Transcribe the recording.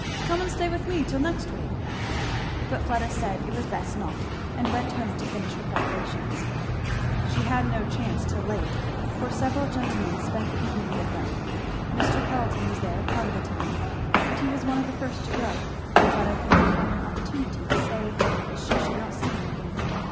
"Come and stay with me till next week." But Fleda said it was best not, and went home to finish her preparations. She had no chance till late, for several gentlemen spent the evening with them. Mr. Carleton was there part of the time, but he was one of the first to go; and Fleda could not find an opportunity to say that she should not see him again.